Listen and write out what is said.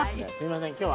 すみません